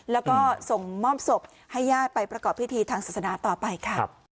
แล้วก็ส่งมอบศพให้ญาติไปประกอบพิธีทางศาสนาต่อไปค่ะ